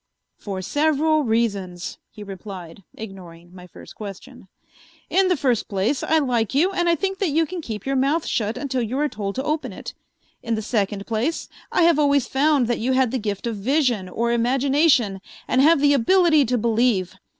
"For several reasons," he replied, ignoring my first question. "In the first place, I like you and I think that you can keep your mouth shut until you are told to open it. In the second place, I have always found that you had the gift of vision or imagination and have the ability to believe.